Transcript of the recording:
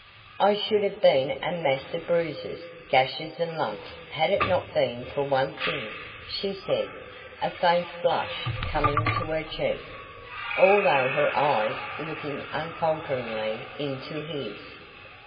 "I should have been a mass of bruises, gashes and lumps had it not been for one thing," she said, a faint flush coming to her cheek, although her eyes looked unfalteringly into his.